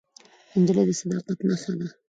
نجلۍ د صداقت نښه ده.